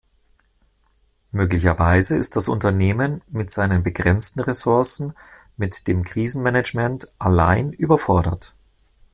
Möglicherweise ist das Unternehmen mit seinen begrenzten Ressourcen mit dem Krisenmanagement alleine überfordert.